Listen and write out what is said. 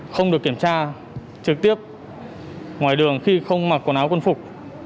không được kiểm tra trực tiếp ngoài đường khi không mặc quần áo quân phục